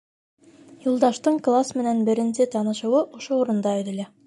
Юлдаштың класс менән беренсе танышыуы ошо урында өҙөлә.